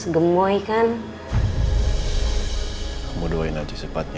demikian prasaran kada kerjaan ini